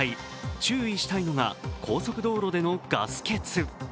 注意したいのが、高速道路でのガス欠。